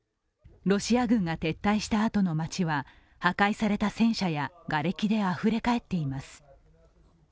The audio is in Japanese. ロシア軍が撤退したあとの街は破壊された戦車やがれきであふれかえっています。